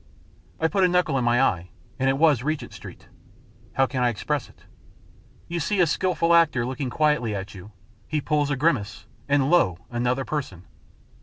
I put a knuckle in my eye, and it was Regent Street. How can I express it ? You see a skilful actor looking quietly at you, he pulls a grimace, and lo ! another person.